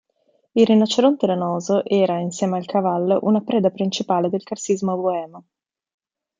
Il rinoceronte lanoso era, insieme al cavallo, una preda principale nel carsismo boemo.